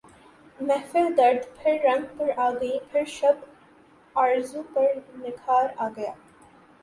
محفل درد پھر رنگ پر آ گئی پھر شب آرزو پر نکھار آ گیا